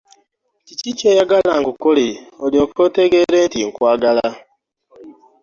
Kiki kyoyagala nkukolere olyoke otegeere nti nkwagala?